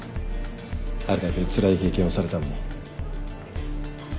あれだけつらい経験をされたのに。